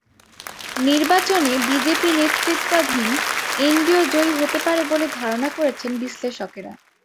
নির্বাচনে বিজেপি নেতৃত্বাধীন এনডিএ জয়ী হতে পারে বলে ধারণা করছেন বিশ্লেষকেরা।